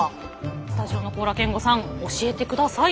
スタジオの高良健吾さん教えてください。